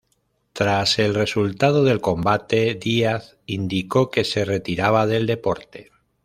Tras el resultado del combate, Diaz indicó que se retiraba del deporte.